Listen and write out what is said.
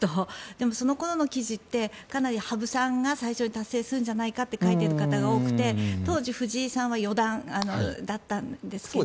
でも、その頃の記事ってかなり羽生さんが最初に達成するんじゃないかって書いている方が多くて当時、藤井さんは四段だったんですけど。